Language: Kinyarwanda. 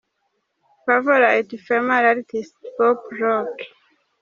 Favorite female artist — pop rock.